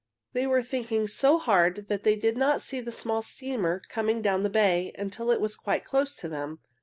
They were thinking so hard they did not see a small steamer coming down the bay, until it was quite close to them.